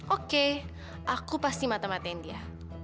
oke aku pasti matematain dia